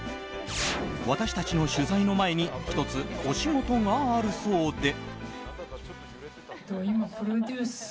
私たちの取材の前に１つお仕事があるそうで。